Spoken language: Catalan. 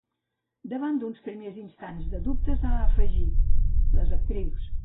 Davant d’uns primers instants de dubtes, ha afegit: Les actrius.